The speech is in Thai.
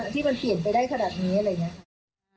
ที่มันเปลี่ยนไปได้ขนาดนี้อะไรอย่างนี้ค่ะ